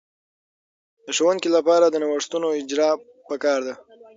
د ښوونکې لپاره د نوښتونو اجراء په کار ده.